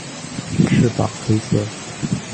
翅膀黑色。